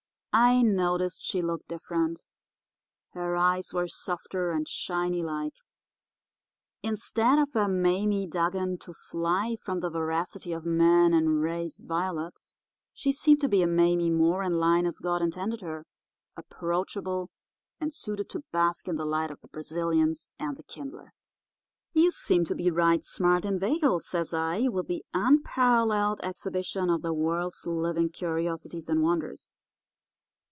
I noticed she looked different. Her eyes were softer, and shiny like. Instead of a Mame Dugan to fly from the voracity of man and raise violets, she seemed to be a Mame more in line as God intended her, approachable, and suited to bask in the light of the Brazilians and the Kindler. "'You seem to be right smart inveigled,' says I, 'with the Unparalleled Exhibition of the World's Living Curiosities and Wonders.